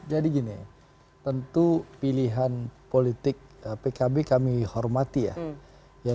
jadi gini tentu pilihan politik pkb kami hormati ya